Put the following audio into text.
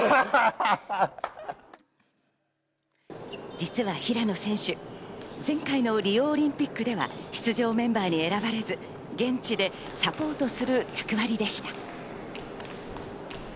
実は平野選手、前回のリオオリンピックでは出場メンバーに選ばれず、現地でサポートする役割でした。